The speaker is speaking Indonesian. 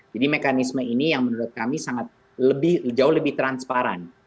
jadi mekanisme ini yang menurut kami sangat lebih jauh lebih transparan